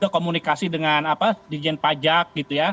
komunikasi dengan apa dirijen pajak gitu ya